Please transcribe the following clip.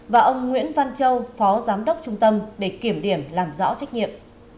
và ông nguyễn văn châu phó giám đốc trung tâm để kiểm điểm làm rõ trách nhiệm